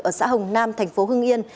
ở xã hồng nam thành phố hương yên